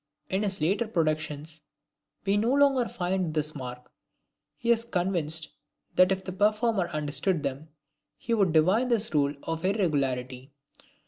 In his later productions we no longer find this mark. He was convinced that if the performer understood them, he would divine this rule of irregularity.